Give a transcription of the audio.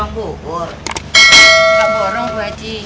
nggak borong bu haji